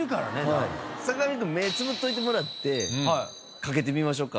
坂上くん目つぶっといてもらってかけてみましょうか。